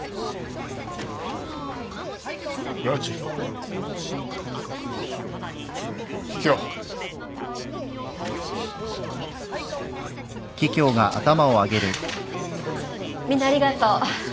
ハァみんなありがとう。